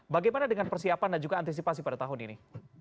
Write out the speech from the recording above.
bagaimana dengan persiapan dan juga antisipasi pada tahun ini